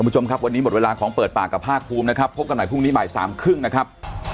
คุณผู้ชมครับวันนี้หมดเวลาของเปิดปากกับภาคภูมินะครับพบกันใหม่พรุ่งนี้บ่ายสามครึ่งนะครับ